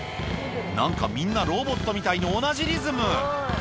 なんかみんなロボットみたいに同じリズム。